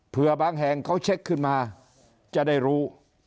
เพื่อบางแห่งเขาเช็คขึ้นมาจะได้รู้